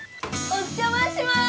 お邪魔します